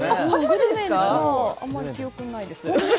あまり記憶ないです。